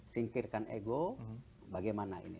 singkirkan ego bagaimana ini